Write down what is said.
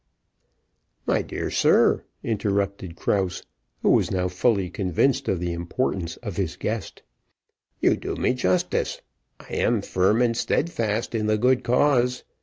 "My dear sir," interrupted Krause, who was now fully convinced of the importance of his guest, "you do me justice; I am firm and steadfast in the good cause.